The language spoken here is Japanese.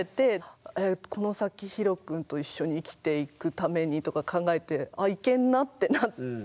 この先ひろ君と一緒に生きていくためにとか考えて「あっいけんな」ってなって。